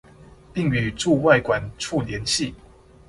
並與駐外館處聯繫